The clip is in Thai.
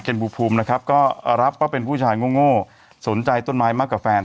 บูภูมินะครับก็รับว่าเป็นผู้ชายโง่สนใจต้นไม้มากกว่าแฟน